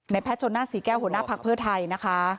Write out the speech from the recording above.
แพทย์ชนหน้าศรีแก้วหัวหน้าภักดิ์เพื่อไทยนะคะ